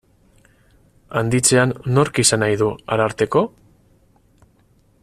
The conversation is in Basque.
Handitzean, nork izan nahi du Ararteko?